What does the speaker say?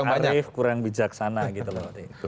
arif kurang bijaksana gitu loh